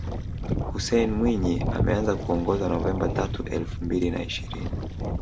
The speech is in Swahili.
Hussein Mwinyi ameanza kuongoza Novemba tatu elfu mbili na ishirini